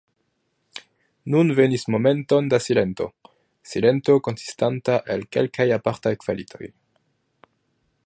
Nun venis momenton da silento—silento konsistanta el kelkaj apartaj kvalitoj.